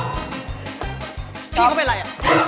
พี่เขาเป็นอะไร